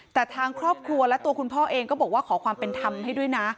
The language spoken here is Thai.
แต่ทางครอบครัวและตัวคุณพ่อเองก็บอกว่าขอความเป็นธรรมให้ด้วยนะ